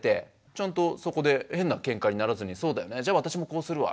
ちゃんとそこで変なケンカにならずに「そうだよねじゃあ私もこうするわ。